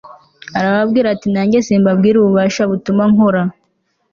arababwira ati nanjye simbabwira ububasha butuma nkora